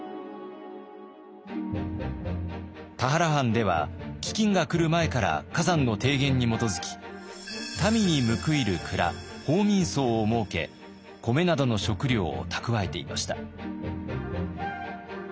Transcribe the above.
田原藩では飢饉が来る前から崋山の提言に基づき民に報いる倉報民倉を設け米などの食料を蓄えていました。